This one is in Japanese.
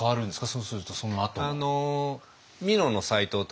そうするとそのあと。